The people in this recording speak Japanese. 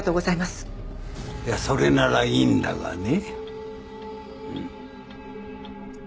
いやそれならいいんだがね。